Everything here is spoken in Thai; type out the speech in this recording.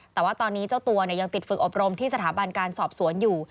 แต่ว่าตอนนี้เจ้าตัวยังติดฝึกอบรมที่สถาบันการสอบสวนอยู่